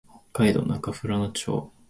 北海道中富良野町